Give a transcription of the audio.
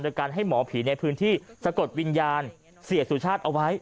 โดยการให้หมอผีในพื้นที่สะกดวิญญาณเสียสุชาติเอาไว้